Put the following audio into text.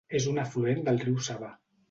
És un afluent del riu Sava.